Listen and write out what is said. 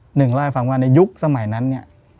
หนึ่งเล่าให้ฟังว่าในยุคสมัยนั้นเนี่ย